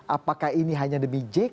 apakah ini hanya demi jenis yang diperlukan